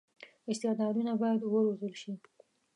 استعدادونه باید وروزل شي.